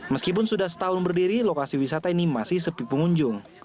meskipun sudah setahun berdiri lokasi wisata ini masih sepi pengunjung